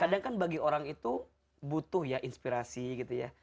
kadang kan bagi orang itu butuh ya inspirasi gitu ya